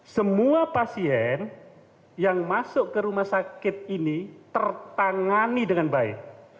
semua pasien yang masuk ke rumah sakit ini tertangani dengan baik